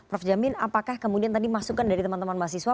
prof jamin apakah kemudian tadi masukan dari teman teman mahasiswa